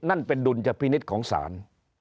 นั่นเป็นดุลยพินิษฐ์ของศาล